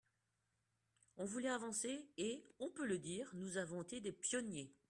On voulait avancer, et, on peut le dire, nous avons été les pionniers.